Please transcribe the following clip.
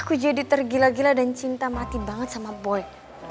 aku jadi tergila gila dan cinta mati banget sama boy